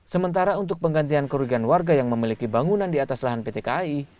sementara untuk penggantian kerugian warga yang memiliki bangunan di atas lahan pt kai